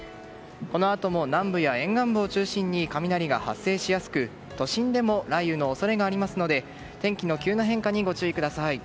このあとも南部や沿岸部を中心に雷が発生しやすく、都心でも雷雨の恐れがありますので天気の急な変化にご注意ください。